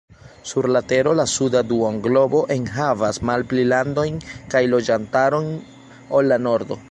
Sur la tero la suda duonglobo enhavas malpli landojn kaj loĝantaron ol la nordo.